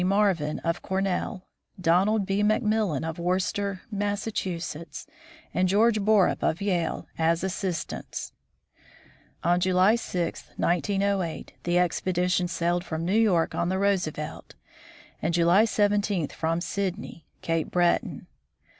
Marvin of Cor nell, Donald B. McMillan of Worcester, Mass., and George Borup of Yale, as assistants. On July 6, 1908, the expedition sailed from New York on the Roosevelt, and July 17 from Sydney, Cape Breton.